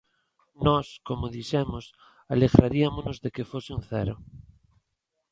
Nós, como dixemos, alegrariámonos de que fose un cero.